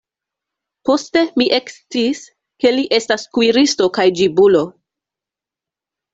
Poste mi eksciis, ke li estas kuiristo kaj ĝibulo.